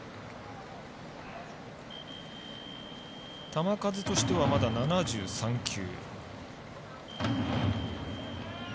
球数としてはまだ７３球。